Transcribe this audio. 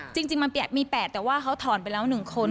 จริงมันมี๘แต่ว่าเขาถอนไปแล้ว๑คน